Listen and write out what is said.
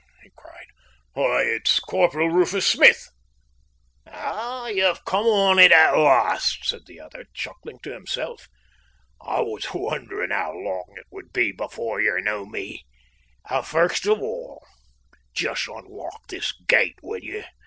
he cried. "Why, it's Corporal Rufus Smith." "You've come on it at last," said the other, chuckling to himself. "I was wondering how long it would be before you knew me. And, first of all, just unlock this gate, will you?